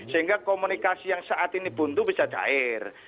sehingga komunikasi yang saat ini buntu bisa cair